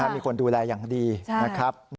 มีคนดูแลอย่างดีนะครับ